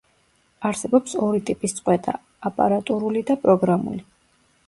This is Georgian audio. არსებობს ორი ტიპის წყვეტა: აპარატურული და პროგრამული.